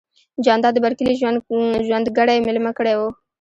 جانداد د بر کلي ژرندګړی ميلمه کړی و.